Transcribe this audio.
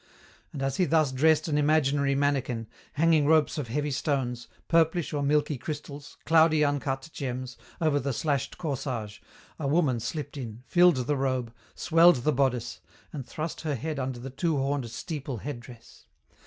And as he thus dressed an imaginary manikin, hanging ropes of heavy stones, purplish or milky crystals, cloudy uncut gems, over the slashed corsage, a woman slipped in, filled the robe, swelled the bodice, and thrust her head under the two horned steeple headdress.